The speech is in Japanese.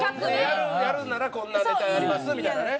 慰問でやるならこんなネタやりますみたいなね。